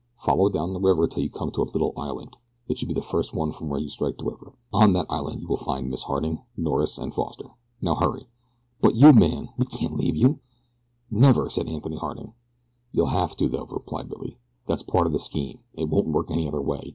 Follow down the river till you come to a little island it should be the first one from where you strike the river. On that island you will find Miss Harding, Norris, and Foster. Now hurry." "But you, man!" exclaimed Mallory. "We can't leave you." "Never!" said Anthony Harding. "You'll have to, though," replied Billy. "That's part of the scheme. It won't work any other way."